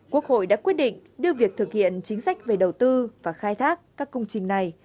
quốc hội đã quyết định đưa việc thực hiện chính sách về đầu tư và khai thác các công trình này